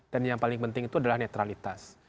dan yang paling penting itu adalah netralitas